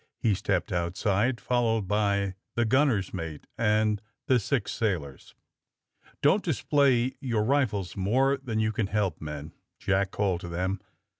He stepped outside, followed by the gunner's mate and the six sailors. ^' Don't display your rifles more than you can help, men," Jack called to them.